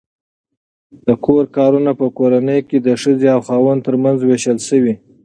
د کور کارونه په کورنۍ کې د ښځې او خاوند ترمنځ وېشل شوي.